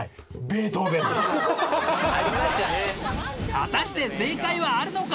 果たして正解はあるのか？